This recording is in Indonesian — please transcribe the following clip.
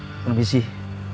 ya mungkin ini akibat dulu